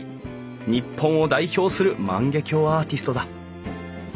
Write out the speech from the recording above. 日本を代表する万華鏡アーティストだ。